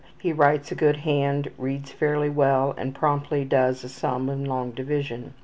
He writes a good hand, reads fairly well, and promptly does a sum in long division.